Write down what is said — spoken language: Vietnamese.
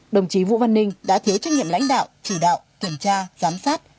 đồng chí vũ văn ninh đã thiếu trách nhiệm lãnh đạo chỉ đạo kiểm tra giám sát